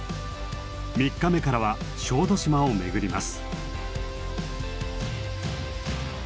３日目からは小豆島を巡ります。